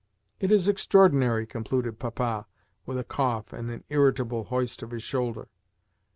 "It is extraordinary!" concluded Papa, with a cough and an irritable hoist of his shoulder.